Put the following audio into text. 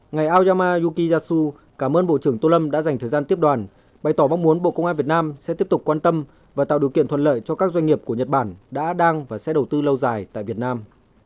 ngài aoyama yukiyasu cảm ơn bộ trưởng tô lâm đã dành thời gian tiếp đoàn bày tỏ mong muốn bộ công an việt nam sẽ tiếp tục quan tâm và tạo điều kiện thuận lợi cho các doanh nghiệp của nhật bản đã đang và sẽ đầu tư lâu dài tại việt nam